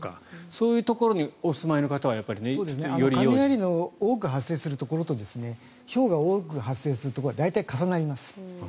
そういうところにお住まいの方は雷が多く発生するところとひょうが多く発生するところは大体重なります。